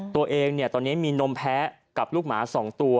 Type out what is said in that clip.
ตัวเองตอนนี้มีนมแพ้กับลูกหมา๒ตัว